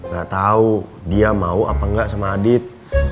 gak tahu dia mau apa enggak sama adit